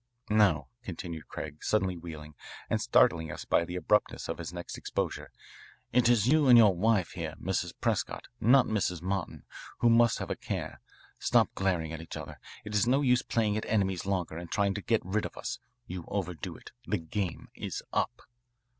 "No," continued Craig, suddenly wheeling, and startling us by the abruptness of his next exposure, "it is you and your wife here Mrs. Prescott, not Mrs. Martin who must have a care. Stop glaring at each other. It is no use playing at enemies longer and trying to get rid of us. You overdo it. The game is up."